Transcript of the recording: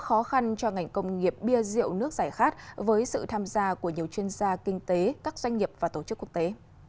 tháo gỡ khó khăn cho ngành công nghiệp bia rượu nước giải khát với sự tham gia của nhiều chuyên gia kinh tế các doanh nghiệp và tổ chức quốc tế